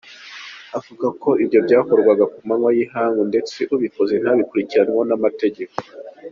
Avuga ko ibyo byakorwaga ku manywa y’ihangu ndetse ubikoze ntabikurikiranweho n’amategeko.